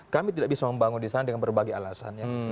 kami tidak bisa membangun di sana dengan berbagai alasannya